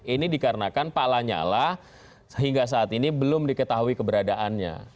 ini dikarenakan pak lanyala sehingga saat ini belum diketahui keberadaannya